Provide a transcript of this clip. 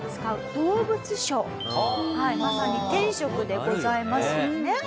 まさに天職でございますよね。